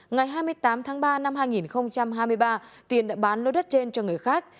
ngày hai mươi tám tháng ba năm hai nghìn hai mươi ba tiên đã bán lô đất trên cho người khác